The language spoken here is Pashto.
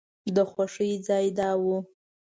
د خوښۍ ځای دا و.